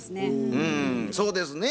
うんそうですね。